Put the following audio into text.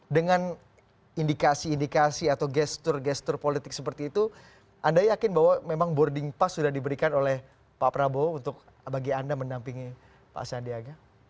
dengan indikasi indikasi atau gestur gestur politik seperti itu anda yakin bahwa memang boarding pass sudah diberikan oleh pak prabowo untuk bagi anda menampingi pak sandiaga